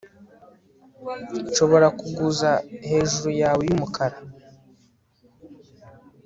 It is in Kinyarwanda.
nshobora kuguza hejuru yawe y'umukara